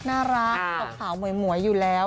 เบาคลาวหมวยอยู่แล้ว